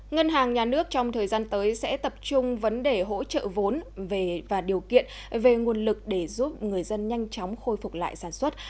ngân hàng nhà nước trong thời gian tới sẽ tập trung vấn đề hỗ trợ vốn và điều kiện về nguồn lực để giúp người dân nhanh chóng khôi phục lại sản xuất